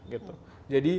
dan nyaman buat anak